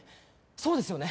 そうですよね？